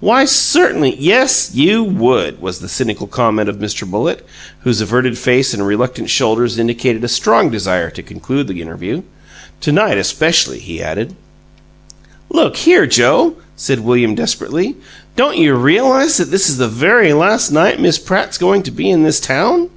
Why, CERTAINLY '" "Yes, you would!" was the cynical comment of Mr. Bullitt, whose averted face and reluctant shoulders indicated a strong desire to conclude the interview. "To night, especially!" he added. "Look here, Joe," said William, desperately, "don't you realize that this is the very last night Miss Pratt's going to be in this town?"